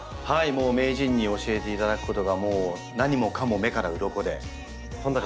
もう名人に教えていただくことがもう何もかも目からうろこでとても勉強になりましたけれども。